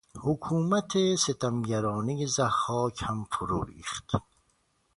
حکومت ستمگرانهی ضحاک هم فرو ریخت.